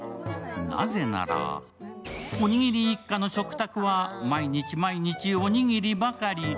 なぜならおにぎり一家の食卓は毎日毎日おにぎりばかり。